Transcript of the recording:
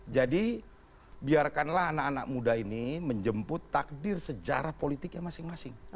jadi biarkanlah anak anak muda ini menjemput takdir sejarah politiknya masing masing